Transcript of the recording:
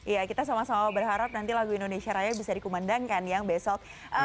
ya kita sama sama berharap nanti lagu indonesia raya bisa dikumandangkan yang besok